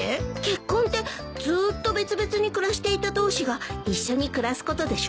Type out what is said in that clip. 結婚ってずーっと別々に暮らしていた同士が一緒に暮らすことでしょ？